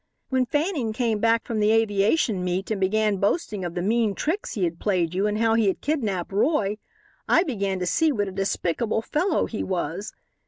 "When Fanning came back from the aviation meet and began boasting of the mean tricks he had played you and how he had kidnapped Roy, I began to see what a despicable fellow he was.